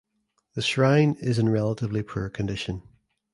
The shrine is in relatively poor condition.